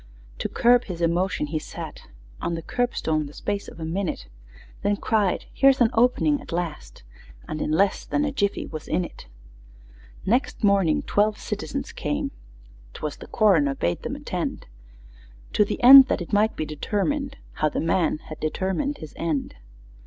To curb his emotions, he sat On the curbstone the space of a minute, Then cried, "Here's an opening at last!" And in less than a jiffy was in it! Next morning twelve citizens came ('Twas the coroner bade them attend), To the end that it might be determined How the man had determined his end!